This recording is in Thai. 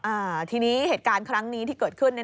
อ่าทีนี้เหตุการณ์ครั้งนี้ที่เกิดขึ้น